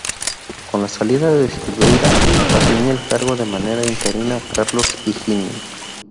Con la salida de Silveira, asumió el cargo de manera interina Carlos Higino.